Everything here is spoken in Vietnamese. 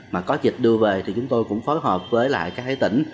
mà có dịch đưa về thì chúng tôi cũng phối hợp với lại các tỉnh